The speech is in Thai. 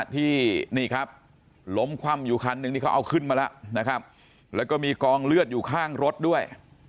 ที่นี่ครับล้มคว่ำอยู่คันนึงนี่เขาเอาขึ้นมาแล้วนะครับแล้วก็มีกองเลือดอยู่ข้างรถด้วย